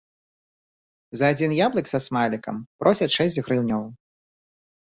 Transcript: За адзін яблык са смайлікам просяць шэсць грыўняў.